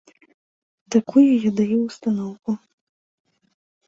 Такую я даю ўстаноўку.